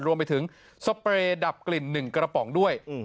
รวมไปถึงสเปรย์ดับกลิ่น๑กระป๋องด้วย